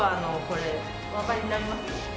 これおわかりになります？